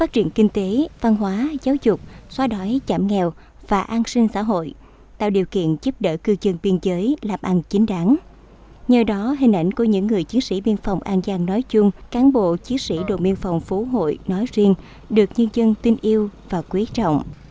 nhờ đó hình ảnh của những người chiến sĩ biên phòng an giang nói chung cán bộ chiến sĩ đồn biên phòng phú hội nói riêng được nhân dân tin yêu và quý trọng